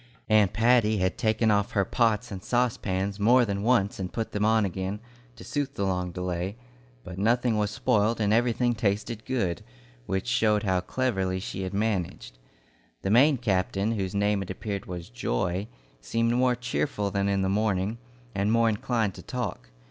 Aunt Patty had taken off her pots and saucepans more than once and put them on again, to suit the long delay; but nothing was spoiled and everything tasted good, which showed how cleverly she had managed. The Maine captain whose name it appeared was Joy seemed more cheerful than in the morning, and more inclined to talk.